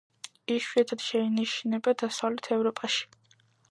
იშვიათად შეინიშნება დასავლეთ ევროპაში.